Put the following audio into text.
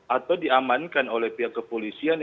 atau diamankan oleh pihak kepolisian